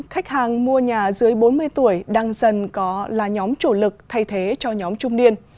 khách hàng mua nhà dưới bốn mươi tuổi đang dần có là nhóm chủ lực thay thế cho nhóm trung niên